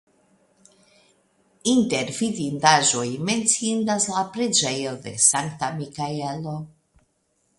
Inter vidindaĵoj menciindas la preĝejo de Sankta Mikaelo.